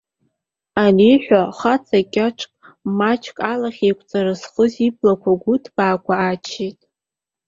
Аниҳәа, ахаҵа-кьаҿ, маҷк алахьеиқәра зхыз ибла гәыҭбаақәа ааччеит.